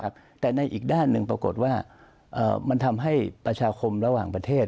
แต่ในอีกด้านหนึ่งปรากฏว่ามันทำให้ประชาคมระหว่างประเทศ